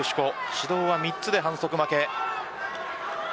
指導は３つで反則負けです。